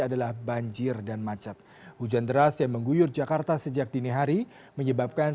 adalah banjir dan macet hujan deras yang mengguyur jakarta sejak dini hari menyebabkan